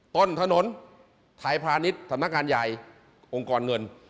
ต้นถนนถ่ายพรานิษฐ์ธรรมนักงานใหญ่องค์กรเงิน